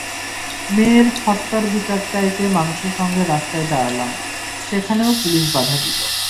মেয়ের হত্যার বিচার চাইতে মানুষের সঙ্গে রাস্তায় দাঁড়ালাম, সেখানেও পুলিশ বাধা দিল।